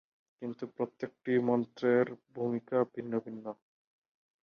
কিন্তু প্রত্যেকটি মন্ত্রের ভূমিকা ভিন্ন ভিন্ন।